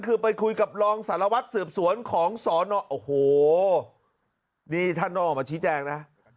คือไปคุยกับรองสารวัตรสืบสวนของสอนอโอ้โหนี่ท่านต้องออกมาชี้แจงนะ